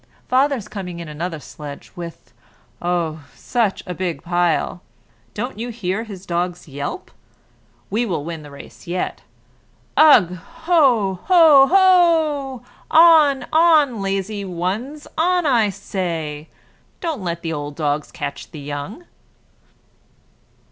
Father's coming in another sledge with, oh! such a big pile. Don't you hear his dogs yelp? We'll win the race yet! Ugh! hoo! hoo! hoo o o! On! on! lazy ones, on, I say! don't let the old dogs catch the young!"